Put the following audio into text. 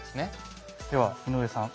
では井上さん。